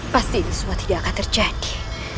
pasti ini semua tidak akan terjadi